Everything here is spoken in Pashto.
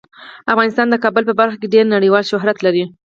افغانستان د کابل په برخه کې ډیر نړیوال شهرت لري.